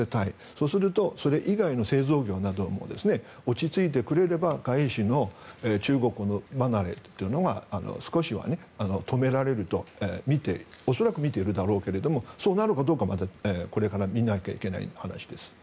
そうするとそれ以外の製造業なども落ち着いてくれれば外資の中国離れというのが少しは止められると恐らくみているだろうけれどそうなるかどうかはこれから見なきゃいけない話です。